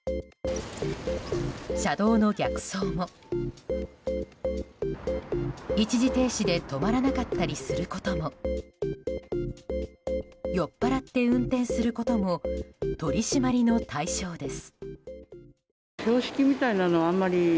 車道の逆走も、一時停止で止まらなかったりすることも酔っぱらって運転することも取り締まりの対象です。